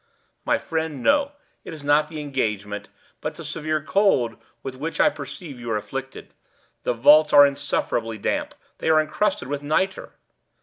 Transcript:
"My friend, no. It is not the engagement, but the severe cold with which I perceive you are afflicted. The vaults are insufferably damp. They are encrusted with nitre."